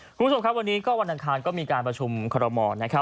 คุณผู้ชมครับวันนี้ก็วันอังคารก็มีการประชุมคอรมอลนะครับ